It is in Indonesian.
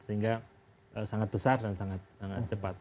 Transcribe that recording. sehingga sangat besar dan sangat sangat cepat